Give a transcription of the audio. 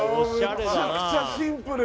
むちゃくちゃシンプル